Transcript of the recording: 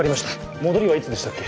戻りはいつでしたっけ？